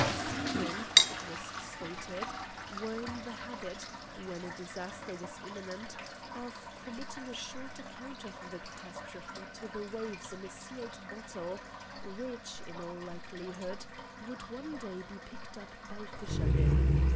Seamen (it was stated) were in the habit, when a disaster was imminent, of committing a short account of the catastrophe to the waves in a sealed bottle which, in all likelihood, would one day be picked up by fishermen.